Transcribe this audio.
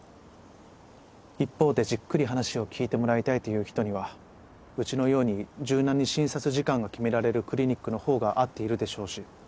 一方でじっくり話を聞いてもらいたいという人にはうちのように柔軟に診察時間が決められるクリニックのほうが合っているでしょうし。